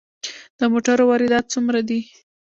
د موټرو واردات څومره دي؟